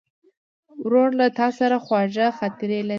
ورور له تا سره خواږه خاطرې لري.